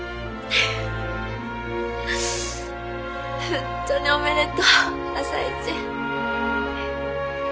本当におめでとう朝市。